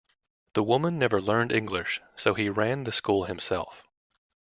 The woman never learned English so he ran the school himself.